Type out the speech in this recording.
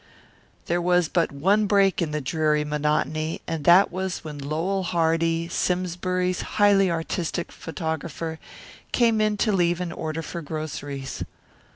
There was but one break in the dreary monotony, and that was when Lowell Hardy, Simsbury's highly artistic photographer, came in to leave an order for groceries.